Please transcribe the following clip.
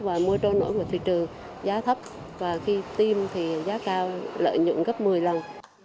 và mua trôi nổi ngoài thị trường giá thấp và khi tiêm thì giá cao lợi nhuận gấp một mươi lần